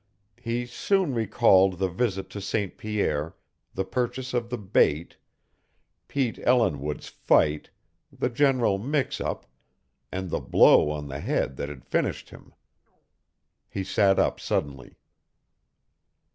He soon recalled the visit to St. Pierre, the purchase of the bait, Pete Ellinwood's fight, the general mix up, and the blow on the head that had finished him. He sat up suddenly.